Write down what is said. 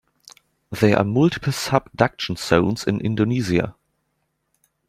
There are multiple subduction zones in Indonesia.